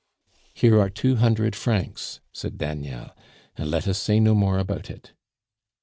"Here are two hundred francs," said Daniel, "and let us say no more about it."